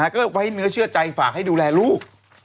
ก็ไว้เนื้อเชื่อใจฝากให้ดูแลลูก